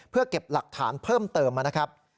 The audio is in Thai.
เพื่อเก็บหลักฐานเพิ่มเติมนะครับ